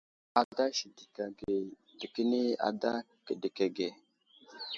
Ada sədək age dekəni ada kedək age.